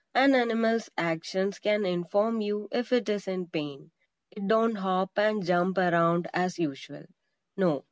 An animal's actions can inform you if it is in pain. It don't hop and jump around as usual. No.